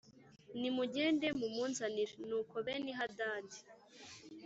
Nimugende mumunzanire Nuko Benihadadi